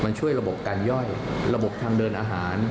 มันช่วยระบบการย่อยระบบทางเดินอาหาร